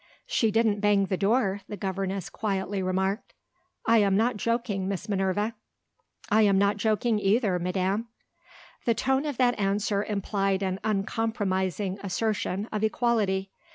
"She didn't bang the door," the governess quietly remarked. "I am not joking, Miss Minerva." "I am not joking either, madam." The tone of that answer implied an uncompromising assertion of equality.